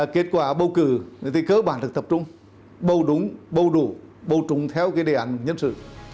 kết quả bầu cử thì cơ bản được tập trung bầu đúng bầu đủ bầu trung theo đề ảnh nhân sự